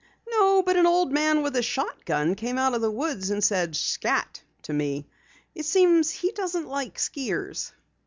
"No, but an old man with a shotgun came out of the woods and said 'Scat!' to me. It seems he doesn't like skiers."